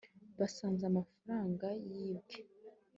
basanze amafaranga yibwe